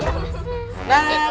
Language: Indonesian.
ketemu lagi kan